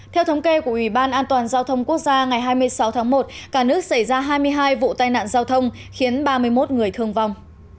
theo thống kê của ủy ban an toàn giao thông quốc gia ngày hai mươi sáu tháng một cả nước xảy ra hai mươi hai vụ tai nạn giao thông khiến ba mươi một người thương vong